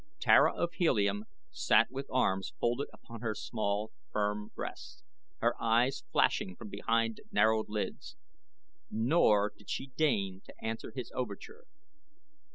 Tara of Helium sat with arms folded upon her small, firm breasts, her eyes flashing from behind narrowed lids, nor did she deign to answer his overture.